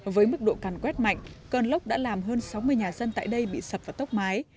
với mức độ càn quét mạnh cơn lốc đã làm hơn sáu mươi nhà dân tại đây bị sập và tốc mái